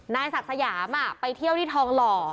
นายศักดิ์สยามไปเที่ยวที่ทองหล่อ